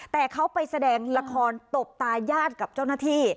แต่เขาไปแสดงละครตบตายาดกับเจ้าหน้าที่